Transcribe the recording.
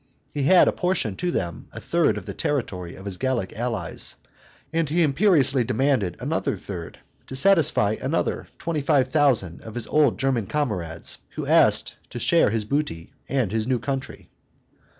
He had appropriated to them a third of the territory of his Gallic allies, and he imperiously demanded another third to satisfy other twenty five thousand of his old German comrades, who asked to share his booty and his new country.